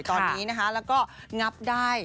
ตอนนี้นะคะแล้วก็งับได้